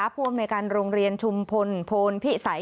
พอโรงเรียนชุมพลโพนพี่ไส